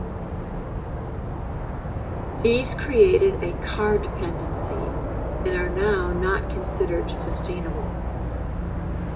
These created a car dependency and are now not considered sustainable.